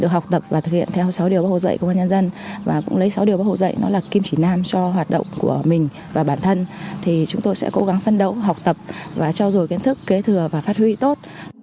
học tập và trao dồi kiến thức kế thừa và phát huy tốt